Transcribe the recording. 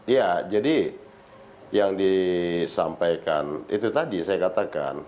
ya jadi yang disampaikan itu tadi saya katakan